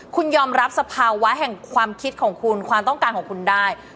คุณยอมรับสภาวะแห่งความคิดของคุณความต้องการของคุณได้